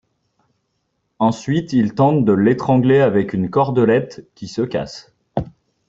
Ensuite, il tente de l'étrangler avec une cordelette, qui se casse.